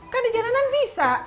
kan di jalanan bisa